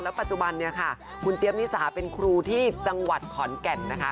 ปัจจุบันเนี่ยค่ะคุณเจี๊ยบนิสาเป็นครูที่จังหวัดขอนแก่นนะคะ